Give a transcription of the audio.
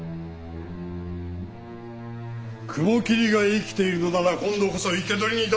雲霧が生きているのなら今度こそ生け捕りに致せ！